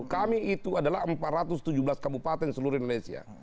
kami itu adalah empat ratus tujuh belas kabupaten seluruh indonesia